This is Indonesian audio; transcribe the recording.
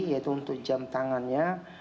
yaitu untuk jam tangannya